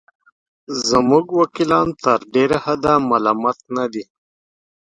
زموږ وکیلان تر ډېره حده ملامت نه دي.